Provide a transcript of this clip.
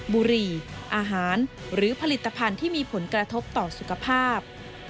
บุหรี่อาหารหรือผลิตภัณฑ์ที่มีผลกระทบต่อสุขภาพ